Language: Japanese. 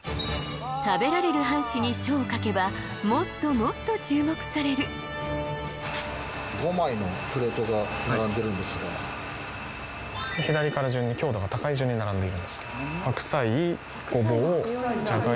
食べられる半紙に書を書けばもっともっと注目される５枚のプレートが並んでるんですが左から順に強度が高い順に並んでいます